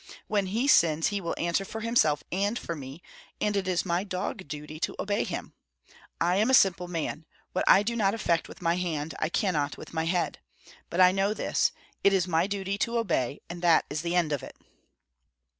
When he sins he will answer for himself and for me, and it is my dog duty to obey him. I am a simple man; what I do not effect with my hand, I cannot with my head. But I know this, it is my duty to obey, and that is the end of it."